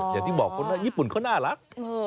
อย่างที่บอกคนญี่ปุ่นเขาน่ารัก